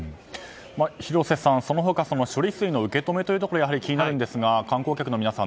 広瀬さん、その他処理水の受け止めなども気になるんですが観光客の皆さん